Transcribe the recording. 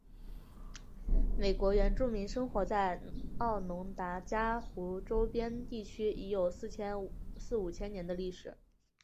美国原住民生活在奥农达伽湖周边地区已有四五千年的历史。